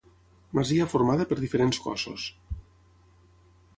Masia formada per diferents cossos.